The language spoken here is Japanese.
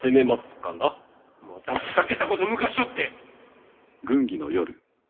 またふざけたこと抜かしおって！